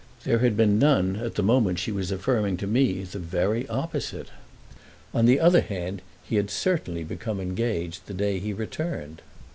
There had been none at the moment she was affirming to me the very opposite. On the other hand he had certainly become engaged the day he returned.